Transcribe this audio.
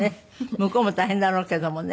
向こうも大変だろうけどもね。